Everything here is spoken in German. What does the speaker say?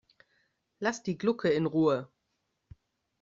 Lass die Glucke in Ruhe!